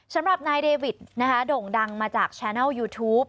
สำหรับนายเดวิดนะคะโด่งดังมาจากแชนัลยูทูป